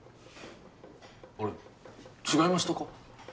あれ違いましたか？